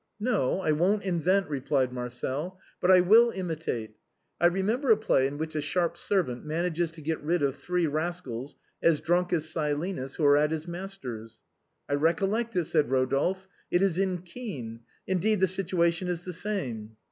"No ; I won't invent,'' replied Marcel, " but I will imitate. I remember a play in which a sharp servant manages to get rid of three rascals as drunk as Silenus who are at his master's." " I recollect it," said Rodolphe, " it is in ' Kean.' In deed, the situation is the same."